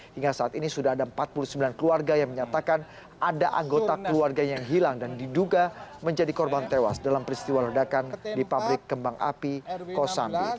hingga saat ini sudah ada empat puluh sembilan keluarga yang menyatakan ada anggota keluarga yang hilang dan diduga menjadi korban tewas dalam peristiwa ledakan di pabrik kembang api kosambi